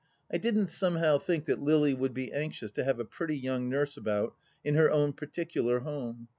I didn't somehow think that Lily would be anxious to have a pretty young nurse about in her own particular Home.